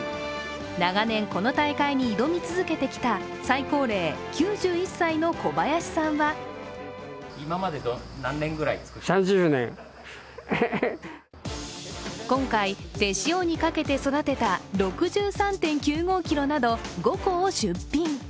長年、この大会に挑み続けてきた最高齢９１歳の小林さんは今回、手塩にかけて育てた６３．９５ｋｇなど５個を出品。